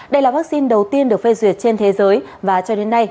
đây là vaccine đầu tiên được phê duyệt trên thế giới và cho đến nay